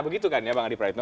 begitu kan ya bang adi praetno